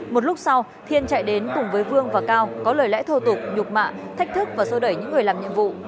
một lúc sau thiên chạy đến cùng với vương và cao có lời lẽ thô tục nhục mạ thách thức và xôi đẩy những người làm nhiệm vụ